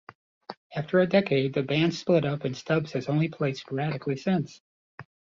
After a decade, the band split up and Stubbs has only played sporadically since.